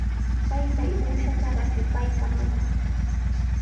Taytay, uushaata rakipaykamay.